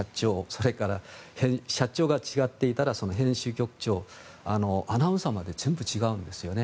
そして、社長が違っていたらその編集局長、アナウンサーまで全部違うんですね。